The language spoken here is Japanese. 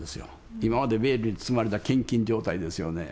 今までベールに包まれた献金状態ですよね。